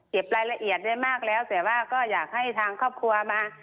รายละเอียดได้มากแล้วแต่ว่าก็อยากให้ทางครอบครัวมา